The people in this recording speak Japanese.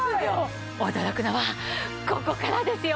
驚くのはここからですよ。